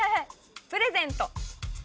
プレゼント。